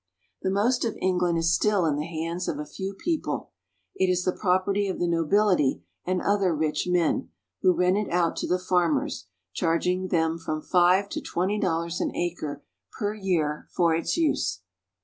The most of England is still in the hands of a few peo ple. It is the property of the nobility and other rich men, who rent it out to the farmers, charging them from five to twenty dollars an acre per year for its use.